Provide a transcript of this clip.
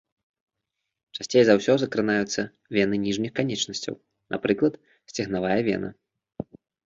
Часцей за ўсё закранаюцца вены ніжніх канечнасцяў, напрыклад, сцегнавая вена.